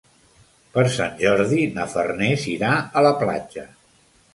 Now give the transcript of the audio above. Per Sant Jordi na Farners irà a la platja.